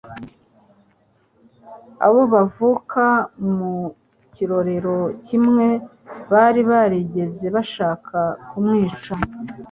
abo bavuka mu kirorero kimwe bari barigeze bashaka kumwica,